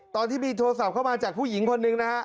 ตอนที่มีโทรศัพท์เข้ามาจากผู้หญิงคนหนึ่งนะฮะ